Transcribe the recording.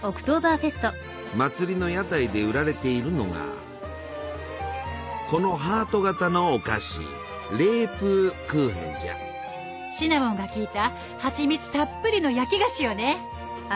祭りの屋台で売られているのがこのハート形のお菓子シナモンが効いたハチミツたっぷりの焼き菓子よね。